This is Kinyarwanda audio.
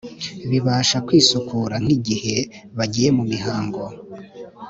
bibafasha kwisukura nk’igihe bagiye mu mihango